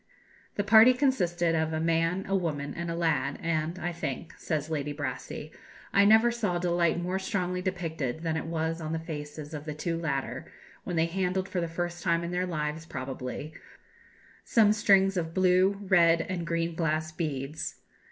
"The party consisted of a man, a woman, and a lad; and, I think," says Lady Brassey, "I never saw delight more strongly depicted than it was on the faces of the two latter, when they handled, for the first time in their lives probably, some strings of blue, red, and green glass beads.